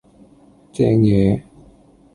正野